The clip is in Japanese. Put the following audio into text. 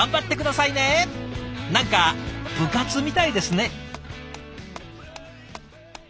何か部活みたいですね。